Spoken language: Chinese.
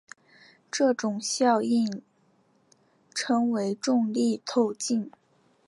这种效应称为重力透镜。